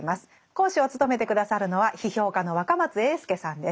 講師を務めて下さるのは批評家の若松英輔さんです。